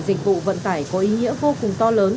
dịch vụ vận tải có ý nghĩa vô cùng to lớn